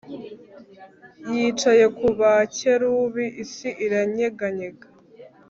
yicaye ku bakerubi isi iranyeganyega